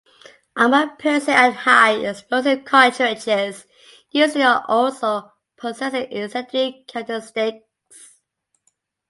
Armor-piercing and high-explosive cartridges usually also possess incendiary characteristics.